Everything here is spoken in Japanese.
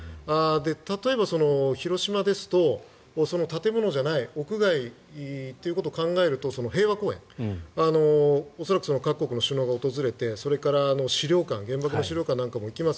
例えば広島ですとその建物じゃない屋外ということを考えると平和公園恐らく各国の首脳が訪れてそれから資料館原爆の資料館なんかも行きます。